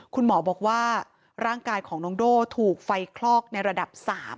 คุณหมอบอกว่าร่างกายของน้องโด่ถูกไฟคลอกในระดับ๓